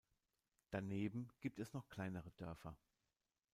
Daneben gibt es noch kleinere Dörfer.